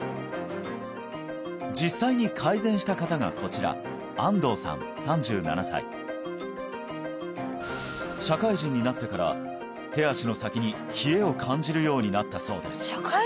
実際に改善した方がこちら安藤さん３７歳社会人になってから手足の先に冷えを感じるようになったそうです